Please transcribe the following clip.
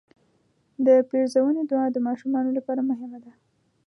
د پیرزوینې دعا د ماشومانو لپاره مهمه ده.